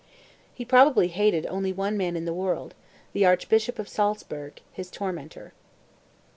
He probably hated only one man in the world, the Archbishop of Salzburg, his tormentor.